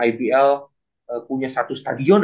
ibl punya satu stadion